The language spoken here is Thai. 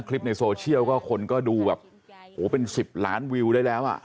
ในโซเชียลก็คนก็ดูแบบโหเป็น๑๐ล้านวิวได้แล้วอ่ะ